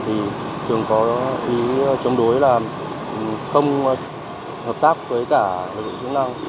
thì thường có ý chống đối là không hợp tác với cả lực lượng chức năng